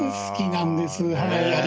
好きなんですはい。